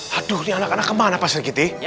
haduh ini anak anak kemana pasir gitu ya